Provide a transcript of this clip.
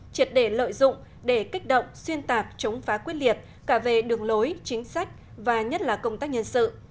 triệt để lợi dụng để kích động xuyên tạp chống phá quyết liệt cả về đường lối chính sách và nhất là công tác nhân sự